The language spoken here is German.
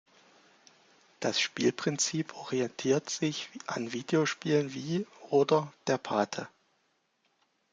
Das Spielprinzip orientiert sich an Videospielen wie oder Der Pate.